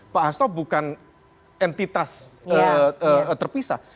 pak hasto bukan entitas terpisah